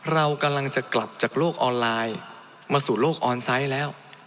เรากำลังจะกลับจากโลกออนไลน์มาสู่โลกออนไซต์แล้ว